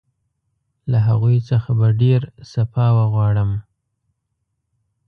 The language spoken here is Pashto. له هغوی څخه به ډېر سپاه وغواړم.